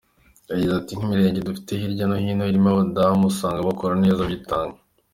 Yagize ati “Nk’imirenge dufite hirya no hino irimo abadamu usanga bakora neza, bitanga.